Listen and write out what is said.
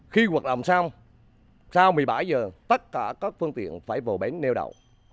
khi hoạt động xong sau một mươi bảy giờ tất cả các phương tiện phải vào bến neo đậu